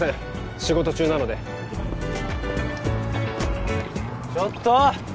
仕事中なのでちょっと！